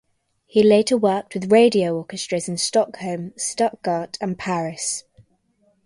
He later worked with radio orchestras in Stockholm, Stuttgart and Paris.